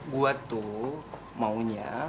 gue tuh maunya